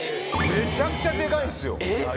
めちゃくちゃデカいんすよ。